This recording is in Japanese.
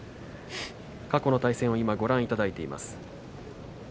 過去の対戦をご覧いただいています。